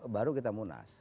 baru kita munas